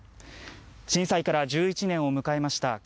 震災から１１年を迎えました